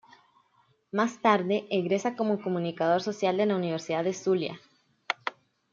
Más tarde egresa como comunicador social de la Universidad del Zulia.